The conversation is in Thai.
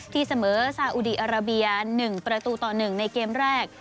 ที่เสมอซาอุดีอาราเบีย๑ประตูต่อ๑ในเกมแรก